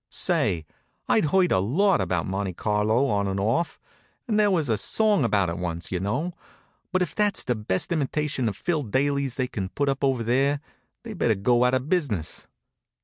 Say, I'd heard a lot about Monte Carlo on and off there was a song about it once, you know but if that's the best imitation of Phil Daly's they can put up over there, they'd better go out of business.